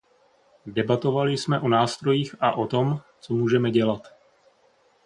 Debatovali jsme o nástrojích a o tom, co můžeme dělat.